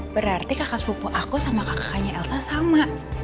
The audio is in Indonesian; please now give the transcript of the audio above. berarti kakak sepupu aku sama kakaknya elsa sama